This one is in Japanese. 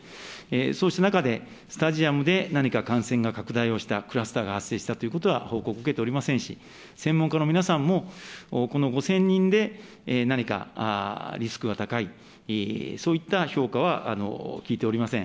そうした中で、スタジアムで何か感染が拡大をした、クラスターが発生したということは報告を受けておりませんし、専門家の皆さんも、この５０００人で何かリスクが高い、そういった評価は聞いておりません。